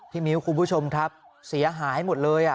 มิ้วคุณผู้ชมครับเสียหายหมดเลย